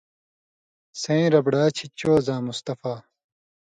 سئیں ربڑا چھے چو زاں مصطفٰے